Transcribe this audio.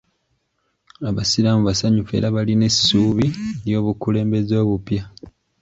Abasiraamu basanyufu era balina essuubi olw'obukulembeze obupya.